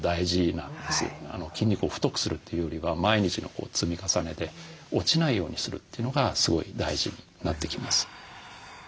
筋肉を太くするというよりは毎日の積み重ねで落ちないようにするというのがすごい大事になってきます。